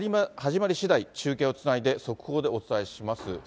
始まりしだい、中継をつないで速報でお伝えします。